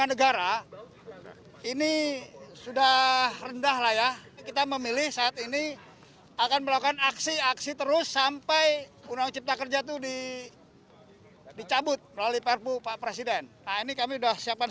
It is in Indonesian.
nah ini kami sudah siapkan surat kepada presiden